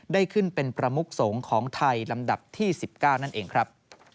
ได้ขึ้นเป็นประมุกสงฆ์ของไทยลำดับที่๑๙นั่นเองครับ